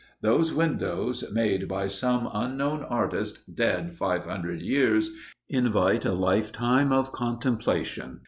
Those windows, made by some unknown artist, dead five hundred years, invite a lifetime of contemplation.